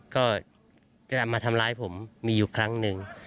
ก็จะมาทำร้ายผมมีอยู่ครั้งหนึ่ง